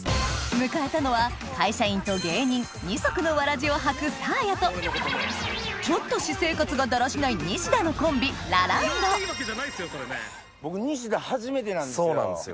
迎えたのは会社員と芸人二足のわらじを履くサーヤとちょっと私生活がだらしないニシダのコンビそうなんですよ。